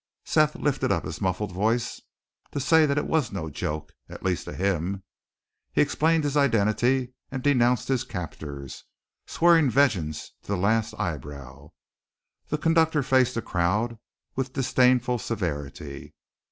Seth lifted up his muffled voice to say that it was no joke, at least to him. He explained his identity and denounced his captors, swearing vengeance to the last eyebrow. The conductor faced the crowd with disdainful severity.